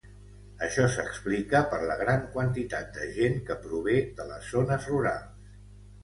Això s'explica per la gran quantitat de gent que prové de les zones rurals.